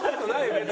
別に。